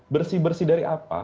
bersih bersih dari apa